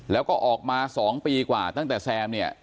แล้วก็ออกมา๒ปีกว่าตั้งแต่แซมเนี่ย